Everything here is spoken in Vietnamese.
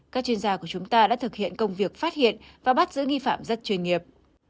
các chuyên gia của chúng ta đã thực hiện công việc phát hiện và bắt giữ nghi phạm rất chuyên nghiệp